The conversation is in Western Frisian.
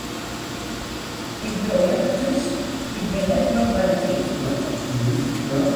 Ik bliuw leaver thús, ik bin net rjocht by de tiid.